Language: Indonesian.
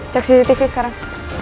cek cctv sekarang